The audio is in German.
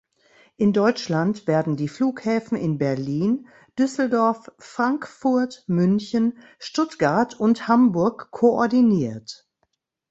In Deutschland werden die Flughäfen in Berlin, Düsseldorf, Frankfurt, München, Stuttgart und Hamburg koordiniert.